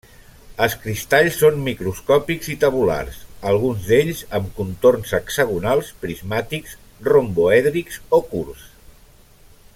Els cristalls són microscòpics i tabulars, alguns d'ells amb contorns hexagonals, prismàtics romboèdrics o curts.